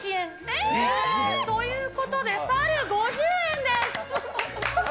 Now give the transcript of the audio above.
えー！えー！ということで、猿、５０円です。